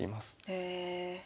へえ。